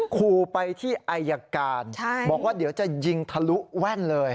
ขู่ไปที่อายการบอกว่าเดี๋ยวจะยิงทะลุแว่นเลย